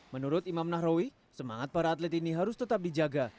menurut imam nahrawi semangat para atlet ini harus tetap dijaga